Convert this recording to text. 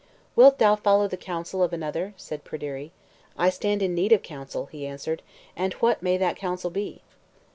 "Wilt thou follow the counsel of another?" said Pryderi. "I stand in need of counsel," he answered, "and what may that counsel be?"